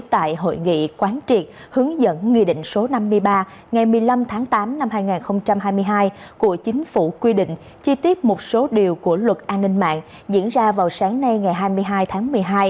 tại hội nghị quán triệt hướng dẫn nghị định số năm mươi ba ngày một mươi năm tháng tám năm hai nghìn hai mươi hai của chính phủ quy định chi tiết một số điều của luật an ninh mạng diễn ra vào sáng nay ngày hai mươi hai tháng một mươi hai